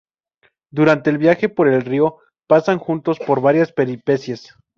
Durante el viaje por el río, pasan juntos por varias peripecias.